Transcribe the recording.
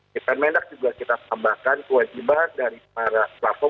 di permendak juga kita tambahkan kewajiban dari para platform